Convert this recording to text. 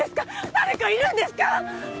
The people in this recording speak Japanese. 誰かいるんですか？